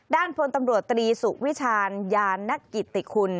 ด้านพลตำรวจตรีสุวิชาญยานกิติคุณ